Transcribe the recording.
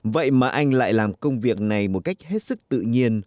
vậy mà anh lại làm công việc này một cách hết sức tự nhiên